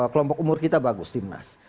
kelompok umur kita bagus